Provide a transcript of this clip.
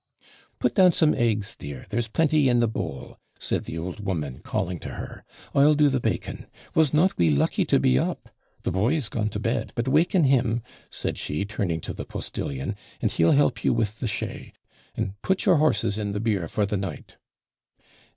'Put down some eggs, dear, there's plenty in the bowl,' said the old woman, calling to her; 'I'll do the bacon. Was not we lucky to be up The boy's gone to bed, but waken him,' said she, turning to the postillion; 'and he'll help you with the chay, and put your horses in the bier for the night.'